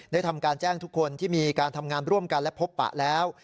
ทำการแจ้งทุกคนที่มีการทำงานร่วมกันและพบปะแล้ว